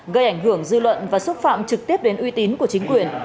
gây ảnh hưởng dư luận và xúc phạm trực tiếp đến uy tín của chính quyền